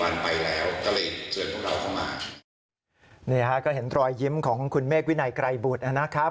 นี่ฮะก็เห็นรอยยิ้มของคุณเมฆวินัยไกรบุตรนะครับ